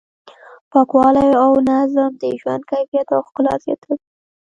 پاکوالی او نظم د ژوند کیفیت او ښکلا زیاتوي.